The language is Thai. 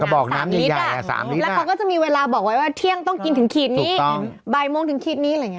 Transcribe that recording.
บอก๓ลิตรแล้วเขาก็จะมีเวลาบอกไว้ว่าเที่ยงต้องกินถึงขีดนี้บ่ายโมงถึงขีดนี้อะไรอย่างนี้